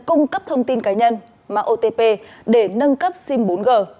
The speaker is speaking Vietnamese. cung cấp thông tin cá nhân mạng otp để nâng cấp sim bốn g